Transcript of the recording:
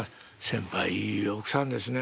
先輩いい奥さんですね」。